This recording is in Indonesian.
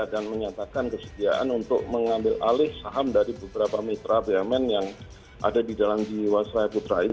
dan menyatakan kesediaan untuk mengambil alih saham dari beberapa mitra bmn yang ada di dalam jual saraya putra